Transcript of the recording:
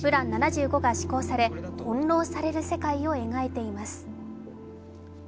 ７５が施行され、翻弄される世界を描いています。